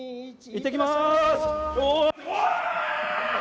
行ってきます！わ！！